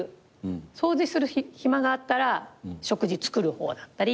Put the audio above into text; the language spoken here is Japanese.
掃除する暇があったら食事作る方だったり。